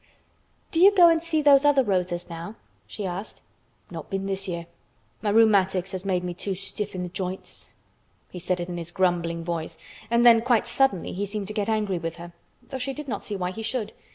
"Do you go and see those other roses now?" she asked. "Not been this year. My rheumatics has made me too stiff in th' joints." He said it in his grumbling voice, and then quite suddenly he seemed to get angry with her, though she did not see why he should.